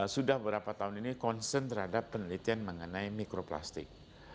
sudah beberapa tahun ini concern terhadap penelitian mengenai mikroplastik